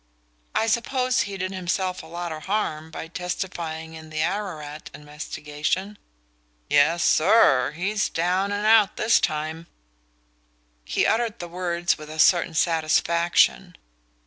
"I suppose he did himself a lot of harm by testifying in the Ararat investigation?" "Yes, SIR he's down and out this time." He uttered the words with a certain satisfaction.